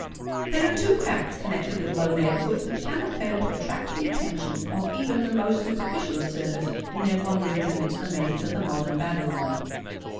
There are two facts connected with low neighbourhoods which cannot fail to attract the attention of even the most superficial observers in their wanderings amidst the mazes of the modern Babylon.